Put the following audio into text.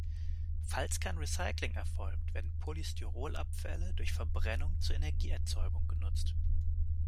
Falls kein Recycling erfolgt, werden Polystyrol-Abfälle durch Verbrennung zur Energieerzeugung genutzt.